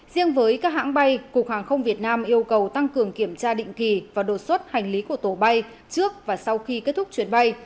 riêng với các hãng bay cục hàng không việt nam yêu cầu tăng cường kiểm tra định kỳ và đột xuất hành lý của tổ bay trước và sau khi kết thúc chuyến bay